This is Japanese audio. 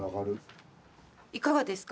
いかがですか？